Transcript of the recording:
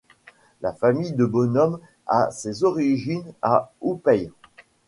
La famille de Bonhomme à ses origines à Oupeye.